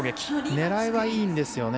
狙いはいいんですよね。